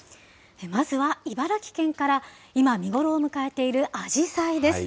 まずは茨城県から、今、見頃を迎えているアジサイです。